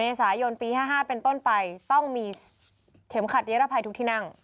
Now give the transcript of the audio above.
เมษายนต์ปีห้าห้าเป็นต้นไปต้องมีเถ็มขัดเย็ดละภัยทุกที่นั่ง